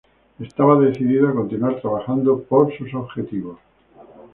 Estaba decidido a continuar trabajando por sus objetivos.